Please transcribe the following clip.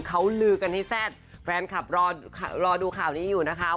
เขาลือกันให้แซ่บแฟนคลับรอรอดูข่าวนี้อยู่นะคะ